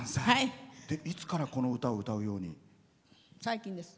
いつからこの歌を歌うように？